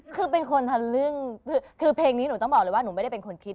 คือเป็นคนทะลึ่งคือเพลงนี้หนูต้องบอกเลยว่าหนูไม่ได้เป็นคนคิด